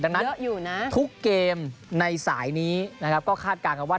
ดังนั้นทุกเกมในสายนี้ก็คาดการณ์กันว่า